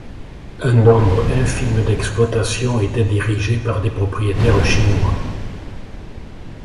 Un nombre infime d’exploitation étaient dirigées par des propriétaires chinois.